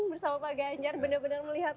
bersama pak ganjar benar benar melihat